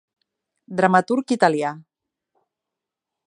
Dramaturg italià.